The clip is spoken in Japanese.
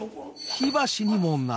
火箸にもなり。